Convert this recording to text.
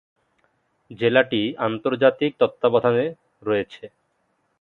জেলাটি আন্তর্জাতিক তত্ত্বাবধানে রয়েছে।